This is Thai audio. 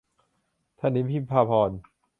ถนิมพิมพาภรณ์